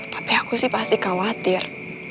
tapi aku sih pasti khawatir